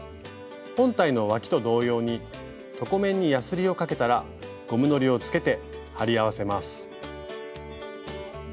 本体のわきと同様に床面にやすりをかけたらゴムのりをつけて貼り合わせます。